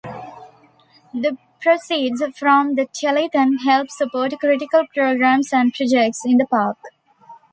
The proceeds from the telethon help support critical programs and projects in the park.